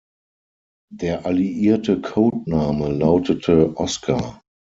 Der alliierte Codename lautete Oscar.